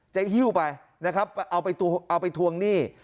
หิ้วไปนะครับเอาไปทวงหนี้